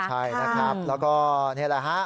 ใช่นะครับแล้วก็นี่แหละฮะ